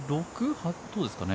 どうですかね。